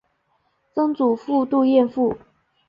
曾祖父杜彦父。